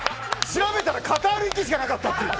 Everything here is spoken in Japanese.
調べたらカタール行きしかなかったという。